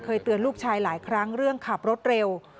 เตือนลูกชายหลายครั้งเรื่องขับรถเร็ว